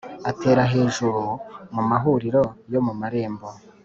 Aterera hejuru mu mahuriro yo mu marembo,